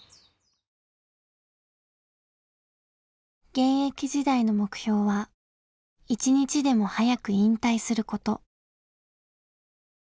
現役時代の目標は「一日でも早く引退すること」。